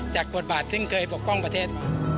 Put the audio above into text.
บทบาทซึ่งเคยปกป้องประเทศ